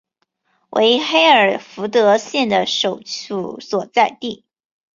为黑尔福德县的首府所在地。